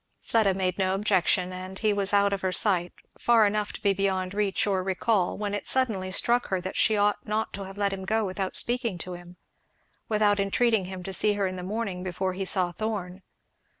Fleda made no objection, and he was out of her sight, far enough to be beyond reach or recall, when it suddenly struck her that she ought not to have let him go without speaking to him, without entreating him to see her in the morning before he saw Thorn.